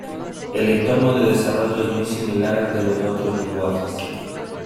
El entorno de desarrollo es muy similar al de otros lenguajes.